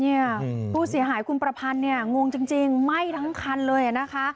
ผู้เสียหายคุณประพันธ์เนี่ยงงจริงไหม้ทั้งคันเลยนะคะ